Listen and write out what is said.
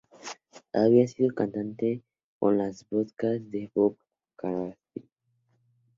Había sido cantante con los Bobcats de Bob Crosby.